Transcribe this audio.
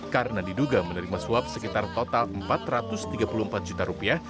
karena diduga menerima suap sekitar total empat ratus tiga puluh empat juta rupiah